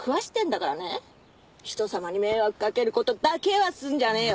人様に迷惑かける事だけはすんじゃねえよ。